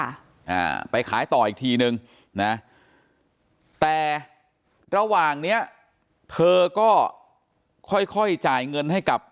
อ่าไปขายต่ออีกทีนึงนะแต่ระหว่างเนี้ยเธอก็ค่อยค่อยจ่ายเงินให้กับ